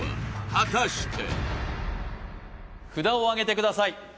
果たして札をあげてください